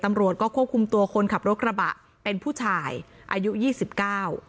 ตำรวจก็ควบคุมตัวคนขับรถกระบะเป็นผู้ชายอายุยี่สิบเก้า